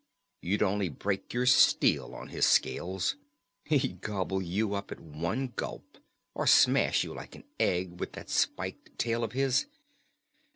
You'd only break your steel on his scales. He'd gobble you up at one gulp, or smash you like an egg with that spiked tail of his.